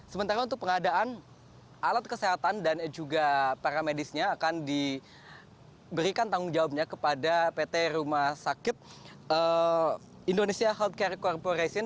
sementara untuk pengadaan alat kesehatan dan juga para medisnya akan diberikan tanggung jawabnya kepada pt rumah sakit indonesia healthcare corporation